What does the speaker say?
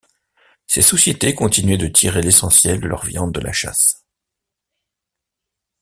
Ces sociétés continuaient de tirer l'essentiel de leur viande de la chasse.